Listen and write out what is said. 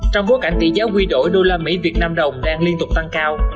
trong bối cảnh tỷ giá quy đổi usd vn đồng đang liên tục tăng cao